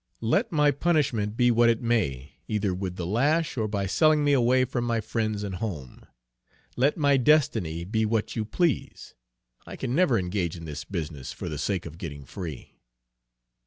"Let my punishment be what it may, either with the lash or by selling me away from my friends and home; let my destiny be what you please, I can never engage in this business for the sake of getting free."